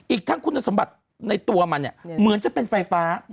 อีกทั้งคุณสมบัติในตัวมันเนี่ยเหมือนจะเป็นไฟฟ้า